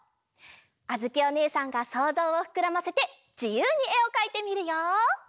あづきおねえさんがそうぞうをふくらませてじゆうにえをかいてみるよ。